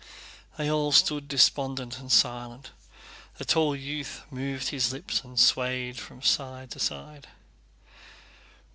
They all stood despondent and silent. The tall youth moved his lips and swayed from side to side.